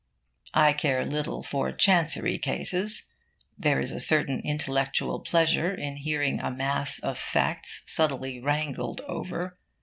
I care little for Chancery cases. There is a certain intellectual pleasure in hearing a mass of facts subtly wrangled over.